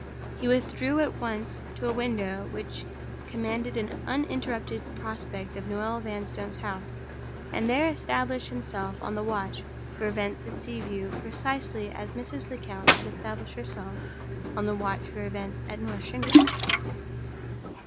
He withdrew at once to a window which commanded an uninterrupted prospect of Noel Vanstone's house, and there established himself on the watch for events at Sea View, precisely as Mrs. Lecount had established herself on the watch for events at North Shingles.